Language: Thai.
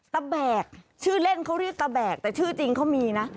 แบกชื่อเล่นเขาเรียกตะแบกแต่ชื่อจริงเขามีนะ